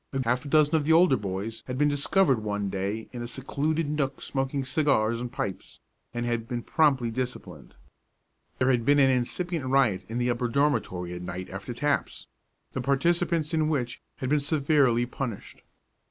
A half dozen of the older boys had been discovered one day in a secluded nook smoking cigars and pipes, and had been promptly disciplined. There had been an incipient riot in the upper dormitory at night after taps, the participants in which had been severely punished.